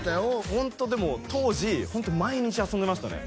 ホントでも当時毎日遊んでましたね